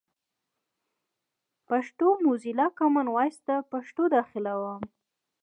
پښتو موزیلا، کامن وایس ته پښتو داخلوم.